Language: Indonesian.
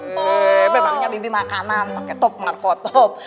heeeh memangnya bibi makanan pakai top marco top